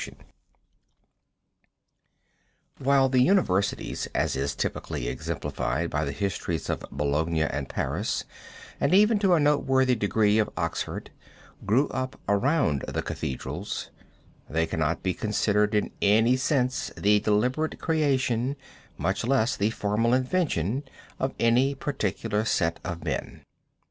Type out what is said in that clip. ] While the universities, as is typically exemplified by the histories of Bologna and Paris, and even to a noteworthy degree of Oxford, grew up around the cathedrals, they cannot be considered in any sense the deliberate creation, much less the formal invention, of any particular set of men.